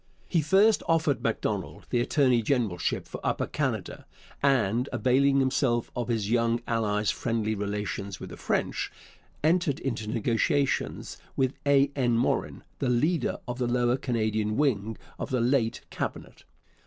He first offered Macdonald the attorney generalship for Upper Canada, and, availing himself of his young ally's 'friendly relations with the French,' entered into negotiations with A. N. Morin, the leader of the Lower Canadian wing of the late Cabinet.